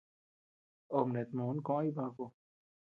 Obe nata mòn koʼo Jibaku.